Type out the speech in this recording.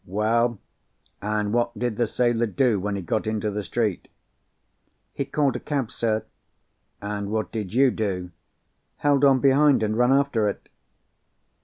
"Well? and what did the sailor do, when he got into the street?" "He called a cab, sir." "And what did you do?" "Held on behind, and run after it."